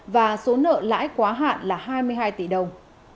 và số nợ lãi quá hạn là hai mươi hai tỷ đồng